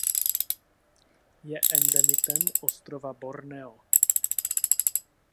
Je endemitem ostrova Borneo.